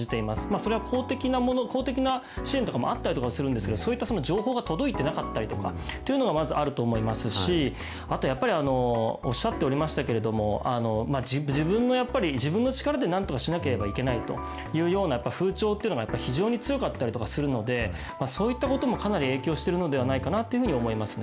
それは公的な支援とかもあったりとかはするんですけど、そういった情報が届いてなかったりとかというのがまずあると思いますし、あとやっぱりおっしゃっておりましたけれども、自分の力でなんとかしなければいけないというような風潮っていうのが非常に強かったりとかするので、そういったこともかなり影響してるのではないかなと思いますね。